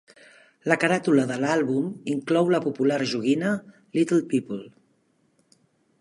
La caràtula de l'àlbum inclou la popular joguina Little People.